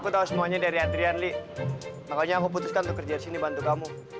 aku tahu semuanya dari adrian li makanya aku putuskan untuk kerja di sini bantu kamu